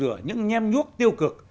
giữa những nhem nhuốc tiêu cực